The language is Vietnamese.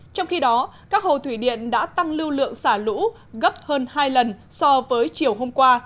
trong khi đó các hồ thủy điện đã tăng lưu lượng xả lũ gấp hơn hai lần so với chiều hôm qua